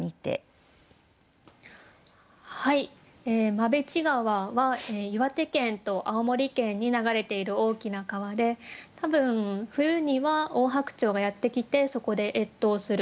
馬淵川は岩手県と青森県に流れている大きな川で多分冬にはオオハクチョウがやって来てそこで越冬する。